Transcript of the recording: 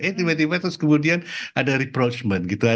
eh tiba tiba terus kemudian ada reproachment gitu